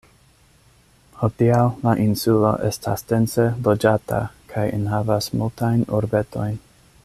Hodiaŭ la insulo estas dense loĝata kaj enhavas multajn urbetojn.